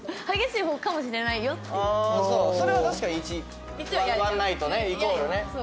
それは確かに１ワンナイトねイコールね。